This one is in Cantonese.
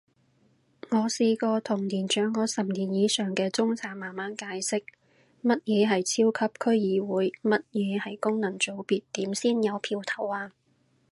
我試過同年長我十年以上嘅中產慢慢解釋，乜嘢係超級區議會？乜嘢係功能組別？點先有票投啊？